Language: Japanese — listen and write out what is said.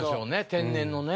天然のね。